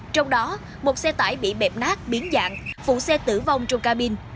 trong đó một xe tải bị bẹp nát biến dạng phụ xe tử vong trong cabin